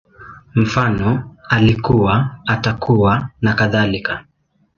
Mfano, Alikuwa, Atakuwa, nakadhalika